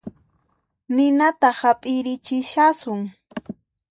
Ninata hap'irichishasun